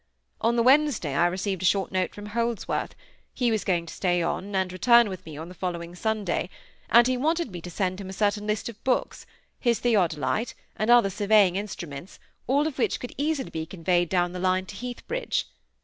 On the Wednesday I received a short note from Holdsworth; he was going to stay on, and return with me on the following Sunday, and he wanted me to send him a certain list of books, his theodolite, and other surveying instruments, all of which could easily be conveyed down the line to Heathbridge.